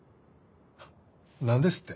何ですって？